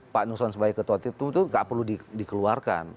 pak nuson sebagai ketua ttip itu tidak perlu dikeluarkan